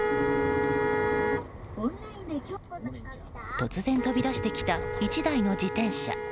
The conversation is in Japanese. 突然飛び出してきた１台の自転車。